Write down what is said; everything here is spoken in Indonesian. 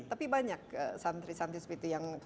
tapi banyak santri santri seperti itu yang